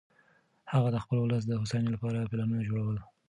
هغه د خپل ولس د هوساینې لپاره پلانونه جوړول.